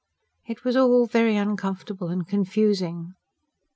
It was all very uncomfortable and confusing.